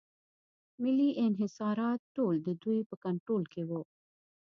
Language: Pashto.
محلي انحصارات ټول د دوی په کنټرول کې وو.